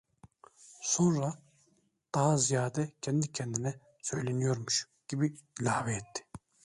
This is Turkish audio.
Sonra daha ziyade kendi kendine söyleniyormuş gibi ilave etti: